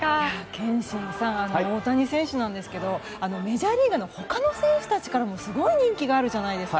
憲伸さん大谷選手なんですけどメジャーリーグの他の選手からもすごい人気があるじゃないですか。